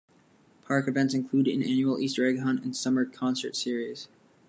Park events include an annual Easter egg hunt and a summer concert series.